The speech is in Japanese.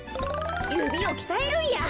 ゆびをきたえるんや。